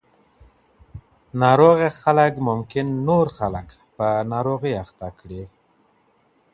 ناروغه خلک ممکن نور خلک په ناروغۍ اخته